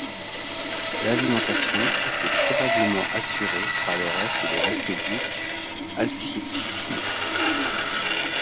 L'alimentation était probablement assurée par les restes de l'aqueduc Alsietino.